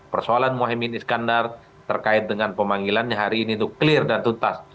persoalan mohaimin iskandar terkait dengan pemanggilannya hari ini itu clear dan tuntas